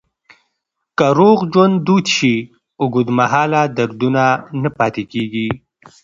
که روغ ژوند دود شي، اوږدمهاله دردونه نه پاتې کېږي.